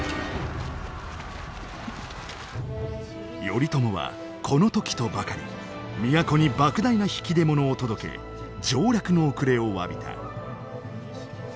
頼朝はこの時とばかり都に莫大な引き出物を届け上洛の遅れをわびた。